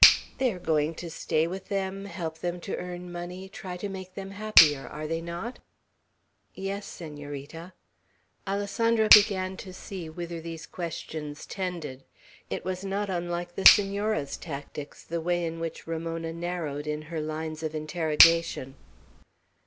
"They are going to stay with them, help them to earn money, try to make them happier, are they not?" "Yes, Senorita." Alessandro began to see whither these questions tended. It was not unlike the Senora's tactics, the way in which Ramona narrowed in her lines of interrogation.